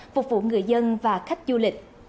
phục vụ người dân và khách du lịch